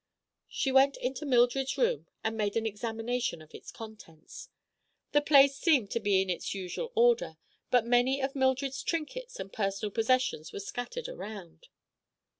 She went into Mildred's room and made an examination of its contents. The place seemed in its usual order, but many of Mildred's trinkets and personal possessions were scattered around.